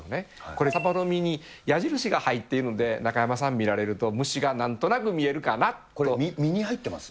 これ、サバの身に矢印が入っているので、中山さん見られると、虫がなんとこれ、胃に入ってます？